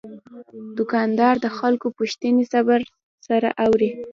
دوکاندار د خلکو پوښتنې صبر سره اوري.